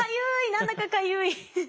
何だかかゆい。